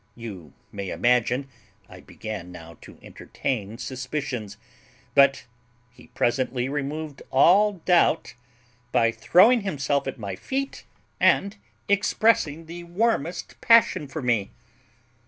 You may imagine I began now to entertain suspicions; but he presently removed all doubt by throwing himself at my feet and expressing the warmest passion for me.